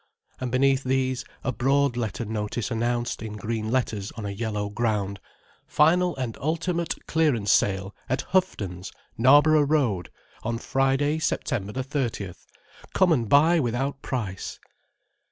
And beneath these a broad letter notice announced, in green letters on a yellow ground: "Final and Ultimate Clearance Sale at Houghton's, Knarborough Road, on Friday, September 30th. Come and Buy Without Price."